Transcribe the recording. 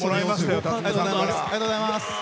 ありがとうございます！